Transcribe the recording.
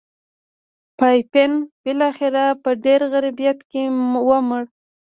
پاپین بلاخره په ډېر غربت کې ومړ.